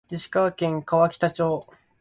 石川県川北町